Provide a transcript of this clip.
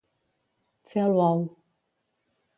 Fer el bou.